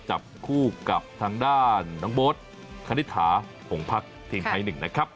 จับคู่กับทางด้านน้องโบ๊ทคณิตถาหงพักทีมไทยหนึ่งนะครับ